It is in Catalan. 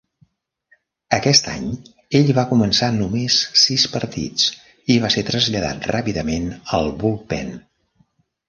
Aquest any, ell va començar només sis partits i va ser traslladat ràpidament al bullpen.